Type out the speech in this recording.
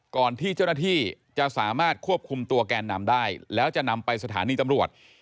ก่อนที่เจ้าหน้าที่จะสามารถควบคุมตัวแกนนำได้แล้วจะนำไปสถานีตำรวจ